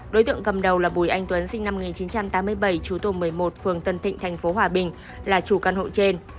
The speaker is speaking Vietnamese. đối tượng cầm đầu là bùi anh tuấn sinh năm một nghìn chín trăm tám mươi bảy chú tổ một mươi một phường tân thịnh tp hòa bình là chủ căn hộ trên